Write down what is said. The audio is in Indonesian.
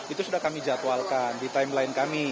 itu sudah kami jadwalkan di timeline kami